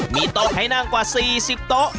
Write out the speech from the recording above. มีโต๊ะให้นั่งกว่า๔๐โต๊ะ